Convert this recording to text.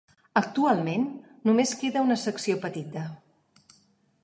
Actualment, només queda una secció petita.